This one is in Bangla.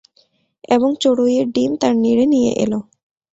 এবং চড়ুইয়ের ডিম তার নীড়ে নিয়ে এল।